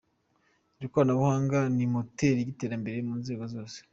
Ikoranabuhanga ni moteri y’iterambere mu nzego zose.